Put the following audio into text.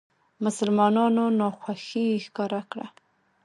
مسلمانانو ناخوښي ښکاره کړه.